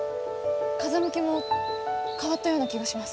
風向きも変わったような気がします。